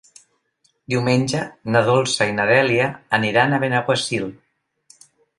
Diumenge na Dolça i na Dèlia aniran a Benaguasil.